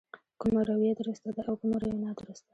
کومه رويه درسته ده او کومه رويه نادرسته.